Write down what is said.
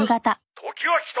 「時は来た。